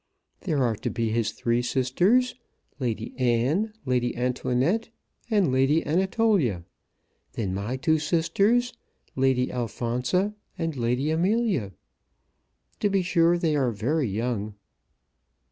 There are to be his three sisters, Lady Anne, Lady Antoinette, and Lady Anatolia; then my two sisters, Lady Alphonsa and Lady Amelia. To be sure they are very young."